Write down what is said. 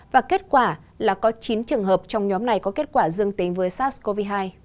và kết quả là có chín trường hợp trong nhóm này có kết quả dương tính với sars cov hai